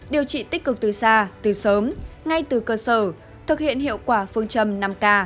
điều trị tích cực từ xa từ sớm ngay từ cơ sở thực hiện hiệu quả phương châm năm k